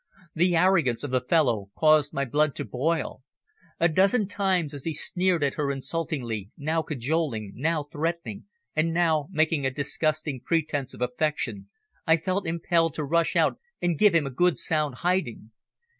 The arrogance of the fellow caused my blood to boil. A dozen times as he sneered at her insultingly, now cajoling, now threatening, and now making a disgusting pretence of affection, I felt impelled to rush out and give him a good sound hiding.